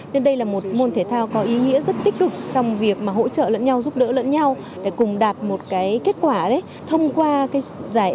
nên đây là một môn thể thao có ý nghĩa rất tích cực trong việc mà hỗ trợ lẫn nhau giúp đỡ lẫn nhau để cùng đạt một cái kết quả đấy